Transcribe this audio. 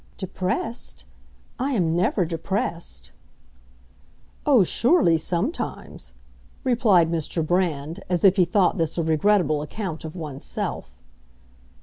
"Depressed? I am never depressed." "Oh, surely, sometimes," replied Mr. Brand, as if he thought this a regrettable account of one's self.